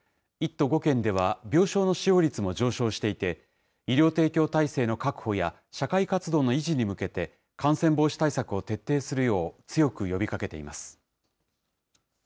１都５県では、病床の使用率も上昇していて、医療提供体制の確保や、社会活動の維持に向けて、感染防止対策を徹底するよう、強く呼びかけています。